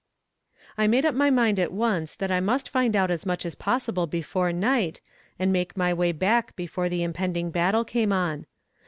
I made up my mind at once that I must find out as much as possible before night, and make my way back before the impending battle came on.